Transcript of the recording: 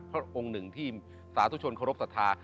เพราะองค์หนึ่งที่สาธุชนครบศรัทธา